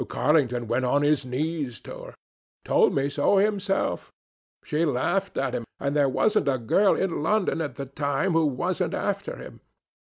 Carlington went on his knees to her. Told me so himself. She laughed at him, and there wasn't a girl in London at the time who wasn't after him.